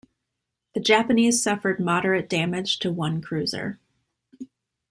The Japanese suffered moderate damage to one cruiser.